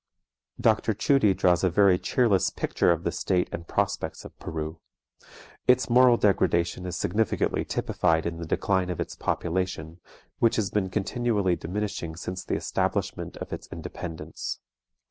Dr. Tschudi draws a very cheerless picture of the state and prospects of Peru. Its moral degradation is significantly typified in the decline of its population, which has been continually diminishing since the establishment of its independence.